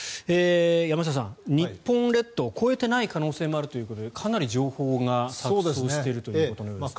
山下さん、日本列島越えてない可能性もあるということでかなり情報が錯そうしているということのようですね。